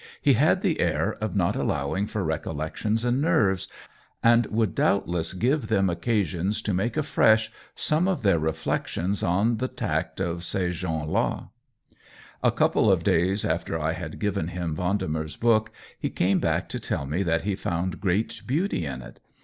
He had the air of not allowing for recollections and nerves, and would doubtless give them occasion to make afresh some of their reflections on the tact of cesgens ld. A couple of days after I had given him Vendemer's book he came back to tell me that he found great beauty in it.